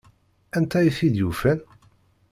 Anta ay t-id-yufan?